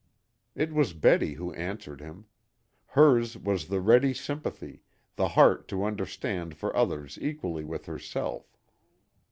It was Betty who answered him. Hers was the ready sympathy, the heart to understand for others equally with herself.